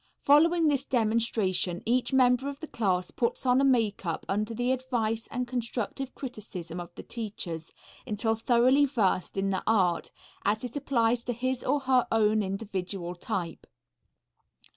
Following this demonstration, each member of the class puts on a makeup under the advice and constructive criticism of the teachers, until thoroughly versed in the art, as it applies to his or her own individual type.